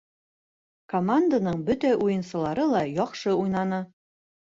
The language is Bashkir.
Команданың бөтә уйынсылары ла яҡшы уйнаны